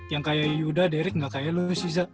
yang kayak yuda derick gak kayak lu sih sa